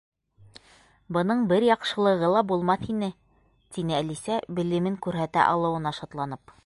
—Бының бер яҡшылығы ла булмаҫ ине, —тине Әлисә, белемен күрһәтә алыуына шатланып.